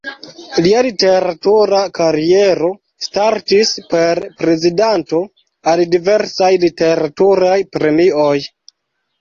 Lia literatura kariero startis per prezentado al diversaj literaturaj premioj.